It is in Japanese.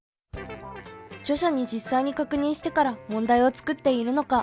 著者に実際に確認してから問題を作っているのか？